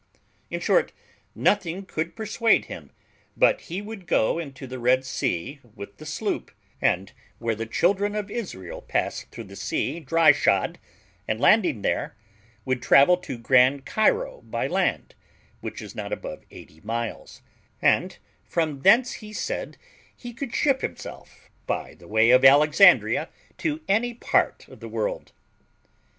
In short, nothing could persuade him, but he would go into the Red Sea with the sloop, and where the children of Israel passed through the sea dry shod, and, landing there, would travel to Grand Cairo by land, which is not above eighty miles, and from thence he said he could ship himself, by the way of Alexandria, to any part of the world.